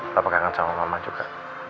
papa kangen sama mama juga